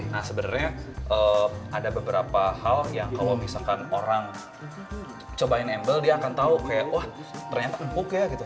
nah sebenarnya ada beberapa hal yang kalau misalkan orang cobain embel dia akan tahu kayak wah ternyata empuk ya gitu